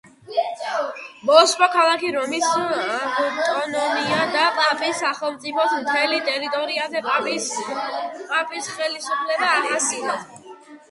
მოსპო ქალაქი რომის ავტონომია და პაპის სახელმწიფოს მთელ ტერიტორიაზე პაპის ხელისუფლება აღადგინა.